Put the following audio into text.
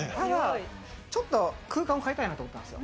ちょっと空間を変えたいなと思ったんです。